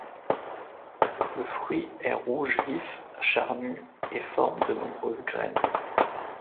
Le fruit est rouge vif, charnu, et forme de nombreuses graines.